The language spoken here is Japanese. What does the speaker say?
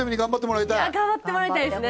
頑張ってもらいたいっすね。